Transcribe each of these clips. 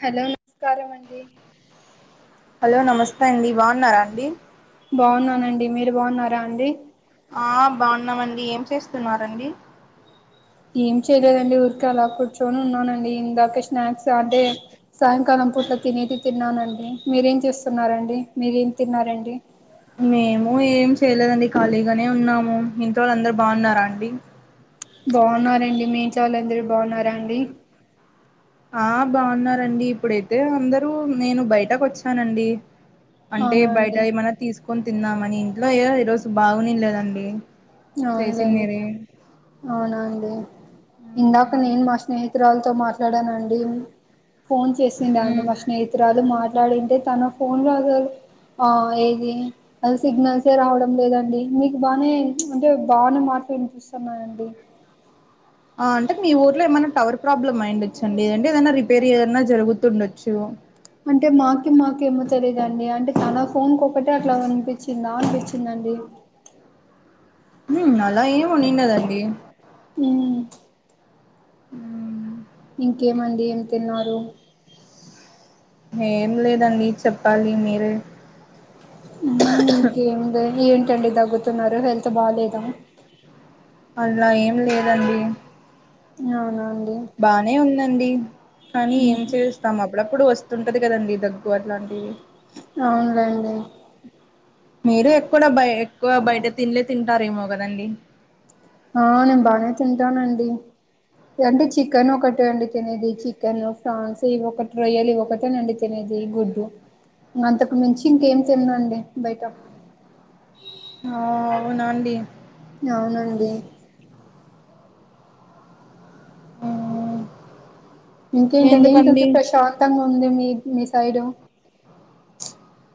Hello నమస్కారం అండి hello నమస్తే అండి బాగున్నారా అండి బాగున్నానండి మీరు బాగున్నారా అండి ఆ బాగున్నామండి ఏం చేస్తున్నారండి ఏం చేయలేదండి ఊరికే అలా కూర్చొని ఉన్నానండి ఇందాకే స్నాక్స్ అదే సాయంకాలం పూట్ల తినేది తిన్నానండి మీరేం చే స్తున్నారండి మీరేం తిన్నారండి మేము ఏం చేయలేదండి ఖాళీగానే ఉన్నాము ఇంట్లో వాళ్ళు అందరు బాగున్నారా అండి బాగున్నారండి మీ ఇంట్లో వాళ్ళందరూ బాగున్నారా అండి ఆ బాగున్నారండి ఇప్పుడైతే అందరు నేను బయటకు వచ్చి అండి అంటే అవునా బయట అండి ఏమన తీసుకొని తిన్నామని ఇంట్లో ఈ రోజు బాగునే లేదండి అవును లేండి అవునాండి ఇందాక నేను మా స్నేహితురాలతో మాట్లాడానండి ఫోన్ చేసిండ అంటే మా స్నేహితురాలు మాట్లాడింటే తన ఫోన్ రాదు ఆ ఏది అది సిగ్నల్సే రావడం లేదండి మీకు బానే అంటే బాగానే మాటలు వినిపిస్తు స్తున్నాయండి ఆ అంటే మీ ఊర్లో ఏమైనా టవర్ ప్రాబ్లమ్ అయ్యండొచ్చ అండి ఏదంటే ఏదైనా రిపేర్ ఏదనా జరుగుతుండొచ్చు అంటే మాక మాకేమో తెలియదుండి అంటే చాలా ఫోన్కి ఒకటే అట్లా అనిపించిందా అనిపించిందండి ఉం అలా ఏంనిండదండి ఉం ఉం ఇంకేమండి ఏం తిన్నారు ఏం లేదండి చెప్పాలి మీరే ఇంకేమి ఏంటండి తగ్గుతున్నారు హెల్త్ బాలేదా అలా ఏం లేదండి అవునా అండి బానే ఉందండి కానీ ఏం చేస్తాం అప్పుడప్పుడు వస్తుంటది కదండి దగ్గు అట్లాంటివి అవునులేండి మీరు ఎక్కువడా బయ ఎక్కువ బయట తిండులే తింటారేమో కదండి ఆ నేను బానే తింటానండి అంటే చికెన్ ఒకటి అండి తినేది చికెన్ ఫ్రాన్స్ ఇ ఒకటి రొయ్యలు ఇ ఒకటనండి తినేది గుడ్డు ఇంకా అంతకు మించి ఇంకేం తిననండి బయట ఆ అవునాండి అవునండి ఉం ఇంకేంటండి ఏంటంటే ప్రశాంతంగా ఉంది మీ మీ సైడ్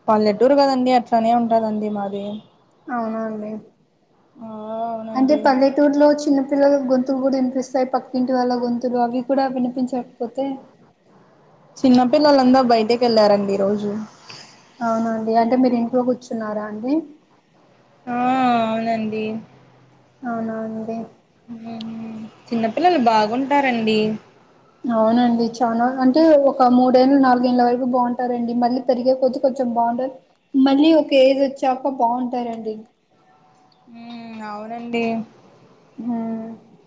పల్లెటూరు కదండి అట్లానే ఉంటదండి మాది అవునా అండి ఆ అంటే అవునండి పల్లె టురిలో చిన్న పిల్ల గొంతులు కూడా వినిపిస్తాయి పక్కింటి వాళ్ళ గొంతులు అవి కూడా వినిపించకపోతే చిన్నపిల్లలందంతా బయటకి వెళ్లారండి ఈ రోజు అవునండి అంటే మీరు ఇంట్లో కూర్చున్నారా అండి ఆ అవునండి అవునా అండి ఉం చిన్నపిల్లలు బాగుంటారండి అవునండి చానా అంటే ఒక మూడేళ్ళు నాలుగేళ్ల వరకు బాగుంటారండి మళ్ళీ తరిగ కొద్ది కొంచెం బాగుంటదు మళ్ళీ ఒక ఏజ్ వచ్చాక బాగుంటారండి ఉం అవునండి ఉం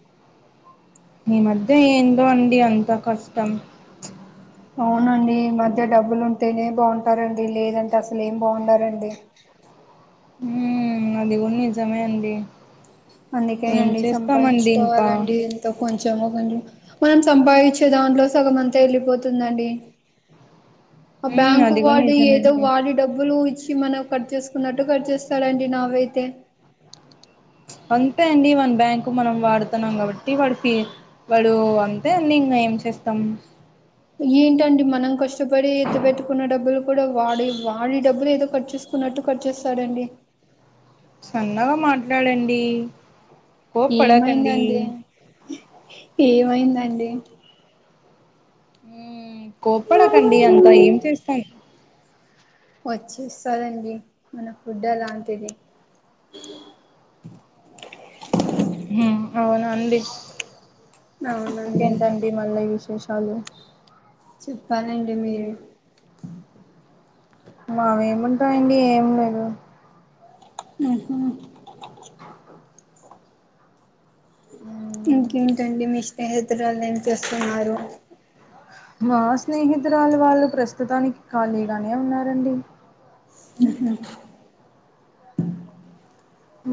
ఈ మధ్య ఏంటో అండి అంత కష్టం అవునండి ఈ మధ్య డబ్బులు ఉంటేనే బాగుంటారండి లేదంటే అసలు ఏం బాగుంటారండి ఉం అది కూడా నిజమే అండి ఏం అందుకేనండి చేస్తామండి ఇంకా సంపాయించుకోవాలండి కొంచెం ఒకండి మనం సంపాదించే దాంట్లో సగం అంతా వెళ్ళిపోతుందండి ఆ ఉమ్ బ్యాంకు అది కూడా వాడు ఏదో నిజమండి వాడి డబ్బులు ఇచ్చి మనం కట్ చేసుకున్నట్టు కట్ చేస్తాడుండి నావైతే అంతే అండి మన బ్యాంకు మనం వాడుతున్నాం కాబట్టి వాడికిీ వాడు అంతే అండి ఇంకా ఏం చేస్తాం ఏంటండి మనం కష్టపడి ఎత్తు పెట్టుకున్న డబ్బులు కూడా వాడి వాడి డబ్బులు ఏదో కట్చెస్ కున్నట్టు కట్ చెస్తాడండి సన్నగా మాట్లాడండి కోప్ పడకండి ఏమైందండి ఏమైందండి మ్ కోప్పడకండి అంతా ఏం చేస్తానమ్ వచ్చి ఇస్తారండి మన ఫుడ్ అలాంటిది ఇ మ్ అవునండి అవునండి ఇంకేంటండి మల్ల విశేషాలు చెప్పాలండి మీరు మావేముంటాయండి ఏం లేదు మ్ హు [inaudible] ఇంకేంటండి మీ స్నేహితురాలు ఏం చేస్తున్నారు మా స్నేహితురాలు వాళ్ళు ప్రస్తుతానికి ఖాళీగానే ఉన్నారండి ఉహుమ్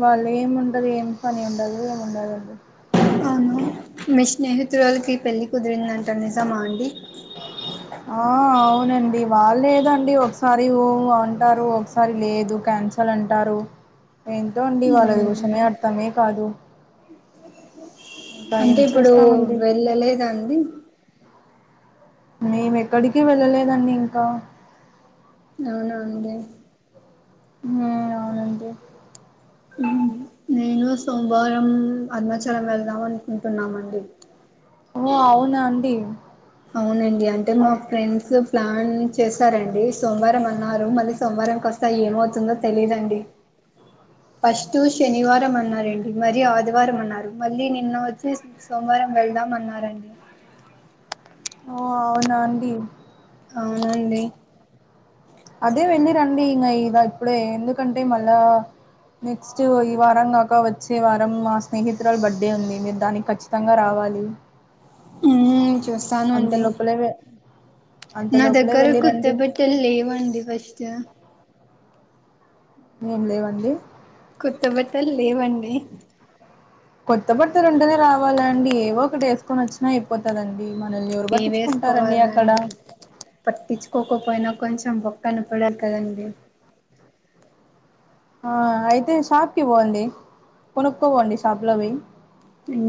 వాళ్ళు ఏమి ఉండదు ఏం పని ఉండదు ఉండదండి అవును మీ స్నేహితులకి పెళ్ళి కుదిరిందంటా నిజమా అండి అ ఆ అవునండి వాళ్ళు లేదండి ఒకసారి ఊఊఅంటారు ఒకసారి లేదు క్యాన్సల్ అంటారు ఆ ఎంటో అండి వాళ్ళవర్షనే అర్థమే కాదు ఇంకా అంటే ఏం ఇప్పుడు చేస్తామండి వెళ్ళలేద అండి మేము ఎక్కడికి వెళ్ళలేదండి ఇంకా అవునా అండి మ్ అవునండి నేను సోమవారం అరుణాచలం వెళ్దాం అనుకుంటున్నామండి ఓ అవునా అండి అవునండి అంటే మా అ- ఫ్రెండ్స్ ప్లాన్ చేశారండి సోమవారం అన్నారు మళ్ళీ సోమవారంకి వస్త ఏమవుతుందో తెలీదండి ఆ ఫస్ట్ శనివారం అన్నారండి మరి ఆదివారం అన్నారు మళ్ళీ నిన్న వచ్చేసి సోమవారం వెళ్దాం అన్నారండి ఓ అవునాండి అవునండి అదే వెళ్ళి రండి ఇకా ఇగ ఇప్పుడే ఎందుకంటే మళ్ళా నెక్స్ట్ ఈ వారం కాక వచ్చే వారం మాస్ స్నేహితురాల బర్త్ డే ఉంది మీరు దానికి ఖచ్చితంగా రావాలి అంత చూస్తానండి లోపలే వె అంత నా లోపలే దగ్గర వెళ్ళిరండి [unintelligible] పెట్ [unintelligible] లేవండి ఫస్ట్ ఏం లేవండి కొత్త బట్టలు లేవండి కొత్త బర్తలు ఉంటేనే రావాలా అండి ఏవో ఒకటి వేసుకొని వచ్చినా అయిపోతదండి మనల్ని ఎవరు ఇవి పట్టించుకుంటారండి అక్కడ వేసుకోవాలండి పట్టించుకోకపోయినా కొంచెం బొక్కన [unintelligible] కదండి అయితే షాప్కి పోండి కొనుక్కో పోండి షాప్లో [unintelligible]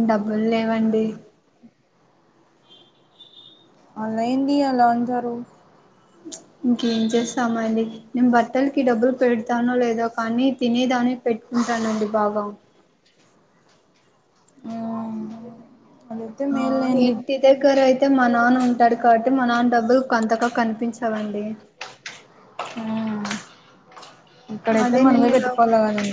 డబ్బులు లేవండి అలైంది అలా [unintelligible] ఇంకేం చేస్తామ అండి నేను బట్టలకి డబ్బులు పెడతానో లేదో కానీ తినేదా పెట్టుకుంటానండి బాగ ఆ ఆదైతే ఆ మే [unintelligible] [unintelligible] అయితే మా నాన్న ఉంటాడు కాబట్టి మా నాన్న డబ్బులు [unintelligible] కనిపించవండి ఆ ఇక్కడైతే అదే నేను మనమే ఇలాగా పెట్టుకోవాలి కదండి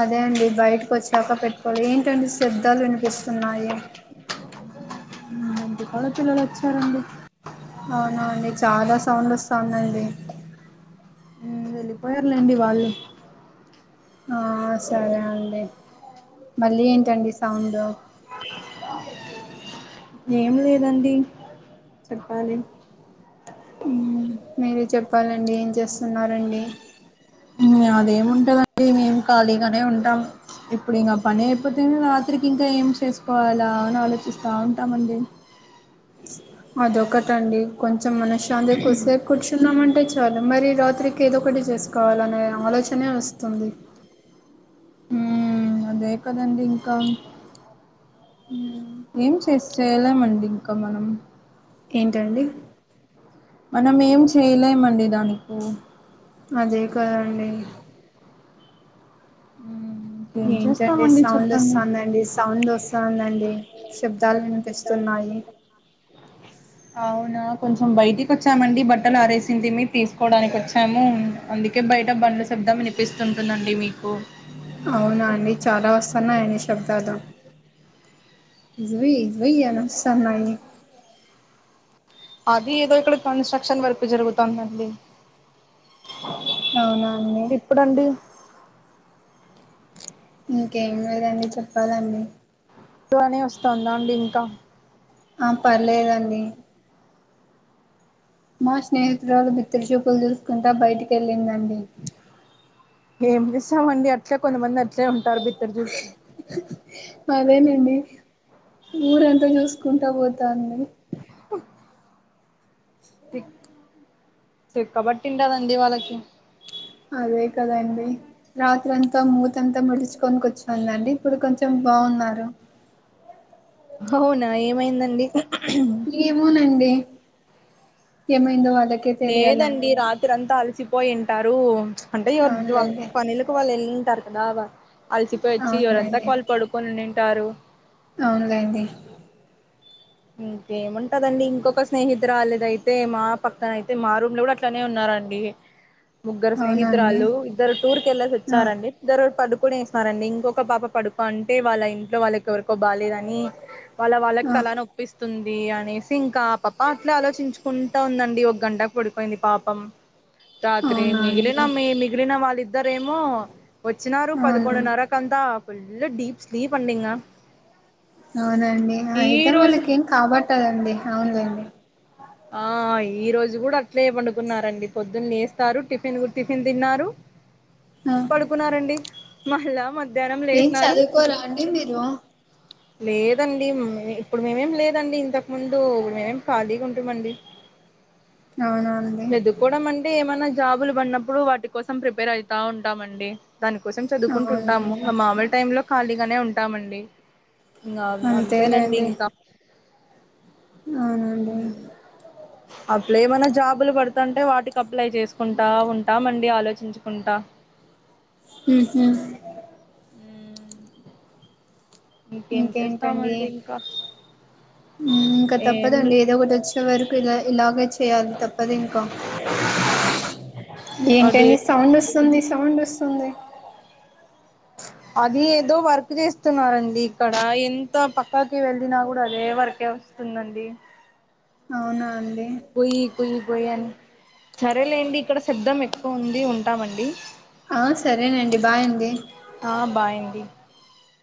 అదే అండి బయటకి వచ్చాక పెట్టుకోవాలి ఏంటండి శబ్దాలు వినిపిస్తున్నాయి [unintelligible] పిల్లలు వచ్చారండి అవున అండి చాలా సౌండ్ వస్తాంది అండి వెళ్ళిపోయారులేండి వాళ్ళు ఆ సరే అండి మళ్ళీ ఏంటండి సౌండ్ ఏం లేదండి చెప్పాలి మీరు చెప్పాలండి ఏం చేస్తున్నారండి అదే ఏమి ఉంటదండి మేము ఖాళీగానే ఉంటాం ఇప్పుడు ఇంకా పని అయిపోతేనే రాత్రికి ఇంకా ఏం చేసుకోవాలా అని ఆలోచిస్తా ఉంటామండి అదొకటండి కొంచెం మ [unintelligible] చంద్రకుద్దిసేపు కూర్చున్నామంటే చాలు మరి రాత్రికి ఏదో ఒకటి చేసుకోవాలనే ఆలోచనే వస్తుంది హు అదే కదండీ ఇంకా ఉ ఏం చే చేయలేమండి ఇంక మనం ఏంటండి మనం ఏం చేయలేమండి దానికు అదే కదండి మ్మ్ ఏం ఏంటండి చేస్తామండి సౌండ్ చెప్పండి వస్తంది అండి సౌండ్ [unintelligible] శబ్దాలు వినిపిస్తున్నాయి [inaudible] అవునా కొంచెం బయటికి వచ్చామండి బట్టలు ఆరేసింది మీ తీసుకోవడానికి వచ్చాము అందుకే బయట బండ్లు శబ్దం వినిపిస్తుంటుందండి మీకు అవునా అండి చాలా వస్తాన్నాయ [unintelligible] [unintelligible] వస్తన్నాయి అది ఏదో ఇక్కడ కన్స్ట్రక్షన్ వర్క్ జరుగుతదండి అవునా అండి ఇప్పుడండి ఇంకేం లేదండి చెప్పాలండి అని వస్తుందా అండి ఇంకా ఆ పర్లేదండి మా స్నేహితురాలు బితిరిచూపులు చూసుకుంటా బయటికి వెళ్ళిందండి. ఏం చేస్తామండి అట్లే కొంతమంది అట్లే ఉంటారు బిద్దర్ చూసి. అదేనండి ఊరంతా చూసుకుంటా పోతాంది. [inaudible] తి తిక్క బట్టి ఉంటాది అండి వాళ్ళకి. అదే కదండి. రాత్రి అంతా మూతంతా ముడుచుకని కూర్చోదండి ఇప్పుడు కొంచెం బాగున్నారు. అవునా ఏమైందండి. ఏమోనండి ఏమైందో అదక్. లేదండి రాత్రి అంతా అలసిపోయింటారు అంటే ఎవద్ జ్వాల్ అవునులేండి పనిలో. వాళ్ళు ఎళ్ళింటారు కదా అలిసిపోయి వచ్చి ఎవరంతా అవునులేండి వల్ పడుకొని ఉనీ ఉంటారు. అవునులేండి. ఇంకేముంటదండి ఇంకొక స్నేహితురాలిదైతే మా పక్కన అయితే మా రూమ్ లో కూడా అట్లానే ఉన్నారండి. ముగ్గురు అవునా అండి స్నేహితురాలు ఇద్దరు టూర్ కెళ్ళే ఆ సచ్చారు అండి. ధర పడుకోనేసినారండి ఇంకొక పాప పడుకో అంటే వాళ్ళ ఇంట్లో వాళ్ళక్. ఎవర్కో బాలేదని వాళ్ళ వాళ్ళక్ ఆ తలనొప్. పిస్తుంది అనేసి ఇంకా పాప్ప అట్లే ఆలోచించుకుంటా ఉందండి ఒక గంటకు పడుకోండి పాపం. రాత్రీ అవునా అండి మిగిలిన మిగిలిన వాళ్ళద్దారేమో. వచ్చినారు అవునా పదకొండు నారాకంత ఫుల్ డీప్ స్లీప్ అండి ఇంగ. అవునండి ఈ అయితే రోజు వాళ్లకేం కాబట్టదండి అవునులేండి. ఆ ఈ రోజు కూడా అట్లే పండుకున్నారండి పొద్దున్నేస్. టారు టిఫిన్ తిన్నారు ఆ పడుకున్నారండి మల్ల మ. ఏం చదువుకోరా అండి మీరు. లేదండి ఇప్పుడు మేమేం లేదండి ఇంతకు ముందు మేమేం ఖాళీగా ఉన్. ఏమండీ. అవునవున్. చదువుకోవడం అండి ఏమన్నా జాబులు పడినప్పుడు వాటి కోసం ప్రిపేర్ అయితా ఉంటామండి. దానికోసం చదువుకుంటుంటాము అవునండి ఇ మామూలు టైం లో ఖాళీగానే ఉంటామండి. ఇంగ అంతేనండి అంతేలేండి ఇంకా. అవునండి. అప్పుడు ఏమైనా జాబులు పడతాంటే వాటికి అప్లై చేసుకుంటా ఉంటా మండి ఆలోచించుకుంటా. ఉహు. ఇంకేం ఇంకేంటండి. చేస్తామండి ఇంకా ఇంకా ఏం తప్పదండి ఏదో ఒకటి వచ్చే వరకు ఇలా ఇలాగే చేయ్యాలి తప్పదు ఇంకా. అదే ఏంటండి సౌండ్ ఒస్తుంది సౌండ్ ఒస్తుంది. అది ఏందో వర్క్ చేస్తున్నారండి ఇక్కడ ఎంత పక్కాకి వెళ్ళినా కూడా అదే వర్కే. సునండి. అవునా అండి. కుయ్యి కుయ్యి అని సరేలేండి ఇక్కడ శబ్దం ఎక్కువ ఉంది ఉంటామండి. సరేనండి బాయ్ అండి. ఆ బాయ్ అండి.